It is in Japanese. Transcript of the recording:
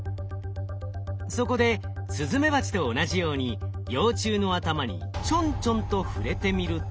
そこでスズメバチと同じように幼虫の頭にちょんちょんと触れてみると。